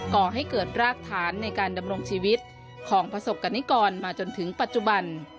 ก่อให้เกิดรากฐานในการดำรงชีวิตของประสบกรณิกรมาจนถึงปัจจุบัน